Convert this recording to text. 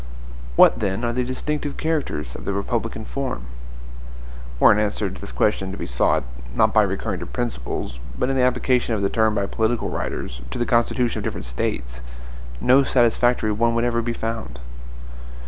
What, then, are the distinctive characters of the republican form? Were an answer to this question to be sought, not by recurring to principles, but in the application of the term by political writers, to the constitution of different States, no satisfactory one would ever be found.